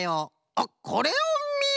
あっこれをみよ！